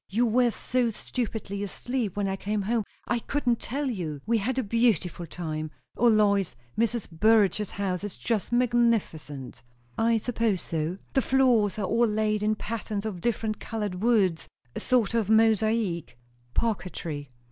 You were so stupidly asleep when I came home, I couldn't tell you. We had a beautiful time! O Lois, Mrs. Burrage's house is just magnificent!" "I suppose so." "The floors are all laid in patterns of different coloured woods a sort of mosaic " "Parquetry."